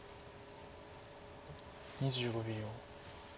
２５秒。